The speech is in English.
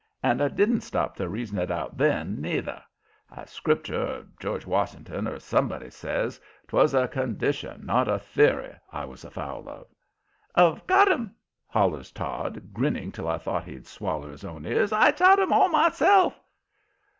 And I didn't stop to reason it out then, neither. As Scriptur' or George Washin'ton or somebody says, "'twas a condition, not a theory," I was afoul of. "I've got 'em!" hollers Todd, grinning till I thought he'd swaller his own ears. "I shot 'em all myself!"